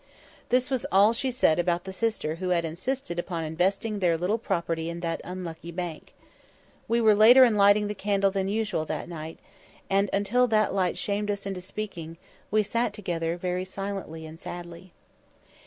This was all she said about the sister who had insisted upon investing their little property in that unlucky bank. We were later in lighting the candle than usual that night, and until that light shamed us into speaking, we sat together very silently and sadly.